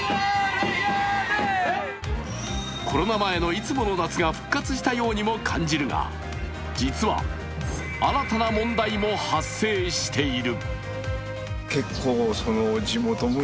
コロナ前のいつもの夏が復活したようにも感じるが、実は、新たな問題も発生している。